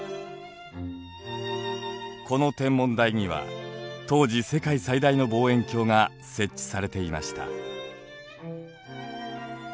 この天文台には当時世界最大の望遠鏡が設置されていました。